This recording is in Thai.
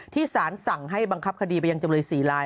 สารสั่งให้บังคับคดีไปยังจำเลย๔ลาย